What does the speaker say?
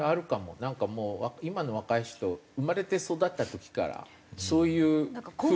なんか今の若い人生まれて育った時からそういう風潮。